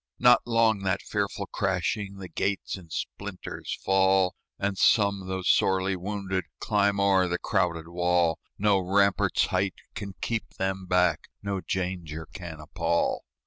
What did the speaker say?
Not long that fearful crashing, The gates in splinters fall; And some, though sorely wounded, Climb o'er the crowded wall: No rampart's height can keep them back, No danger can appall.